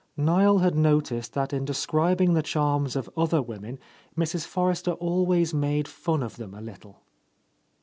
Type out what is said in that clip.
'' Niel had noticed that in describing the charms of other women Mrs. Forrester always made fun of them a little.